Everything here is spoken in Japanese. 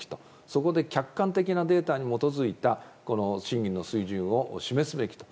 そこで客観的なデータに基づいた審議の水準を示すべきと。